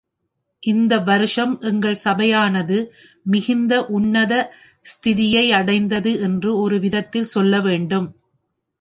இவ்வருஷம் எங்கள் சபையானது மிகுந்த உன்னத ஸ்திதியையடைந்தது என்று ஒருவிதத்தில் சொல்ல வேண்டும்.